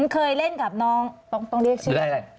เคยเล่นกับน้องต้องเรียกชื่ออะไร